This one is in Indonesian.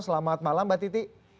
selamat malam mbak titi